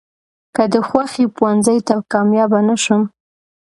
،که د خوښې پوهنځۍ ته کاميابه نشم.